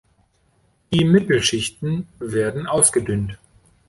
Die Mittelschichten werden ausgedünnt.